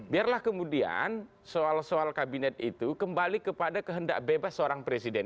biarlah kemudian soal soal kabinet itu kembali kepada kehendak bebas seorang presiden